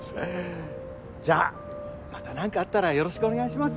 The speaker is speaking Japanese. じゃまた何かあったらよろしくお願いします！